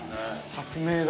◆発明だ。